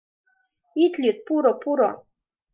— Ит лӱд, пуро-пуро!